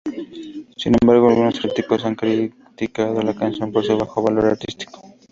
Sin embargo, algunos críticos han criticado la canción por su bajo valor artístico.